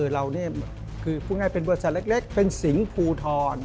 นี่คือพูดง่ายเป็นบริษัทเล็กเป็นสิงห์ภูทร